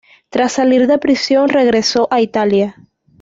Tras salir de prisión regresó a Italia.